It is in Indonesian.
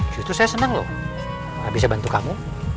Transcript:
yaitu saya senang loh bisa bantu kamu